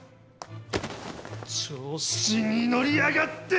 調子に乗りやがって！